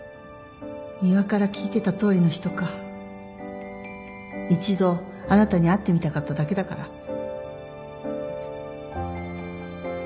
仁和から聞いてたとおりの人か一度あなたに会ってみたかっただけだから。